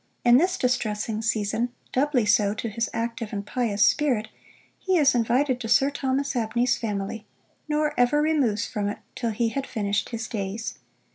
In this distressing season, doubly so to his active and pious spirit, he is invited to Sir Thomas Abney's family, nor ever removes from it till he had finished his days.